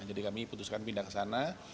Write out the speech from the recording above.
jadi kami putuskan pindah ke sana